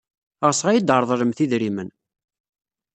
Ɣseɣ ad iyi-d-treḍlemt idrimen.